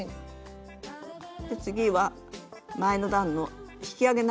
次は前の段の引き上げ